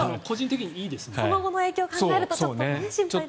その後の影響を考えると心配ですね。